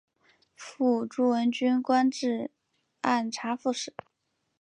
父朱文云官至按察副使。